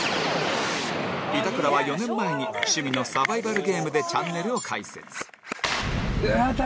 板倉は４年前に趣味のサバイバルゲームでチャンネルを開設